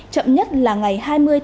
chậm nhất là ngày hai mươi